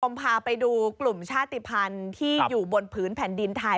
ผมพาไปดูกลุ่มชาติภัณฑ์ที่อยู่บนผืนแผ่นดินไทย